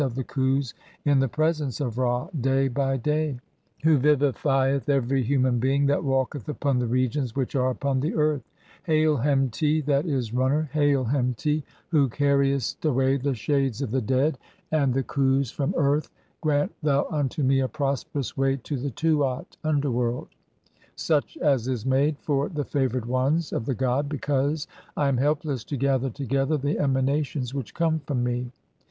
of the Klius in the presence of Ra day by day, who "vivifieth every human being (35) that walketh upon the regions "which are upon the earth. Hail, Hemti (J. e., Runner) ; Hail, "Hemti ; who carriest away the shades of the dead (36) and the 1. Literally, "eat." THE CHAPTER OF COMING FORTH BY DAY. 1 15 u Khus from earth, grant thou unto me a prosperous way to the "Tuat (underworld), such as is made for the favoured ones [of "the god], because (37) [I am] helpless to gather together the "emanations which come from me.